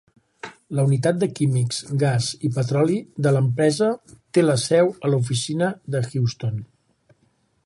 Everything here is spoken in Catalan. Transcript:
La unitat de químics, gas i petroli de l'empresa té la seu a l'oficina de Houston.